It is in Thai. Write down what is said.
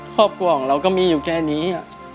ครอบครัวของเราก็มีอยู่แค่นี้